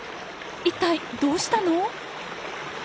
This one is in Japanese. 一体どうしたの？